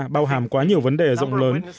bao hàm quá nhiều vấn đề rộng lớn